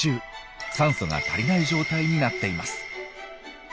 酸素が足りない状態になっています。